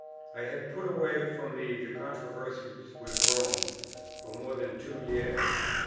I had put away from me the controversy with Rome for more than two years.